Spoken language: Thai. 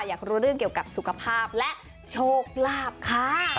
อยากรู้เรื่องเกี่ยวกับสุขภาพและโชคลาภค่ะ